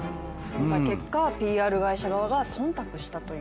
結果、ＰＲ会社側が忖度したという。